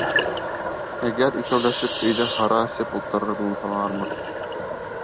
Әгәр икәүләшеп өйҙә һыра эсеп ултырыр булһалармы...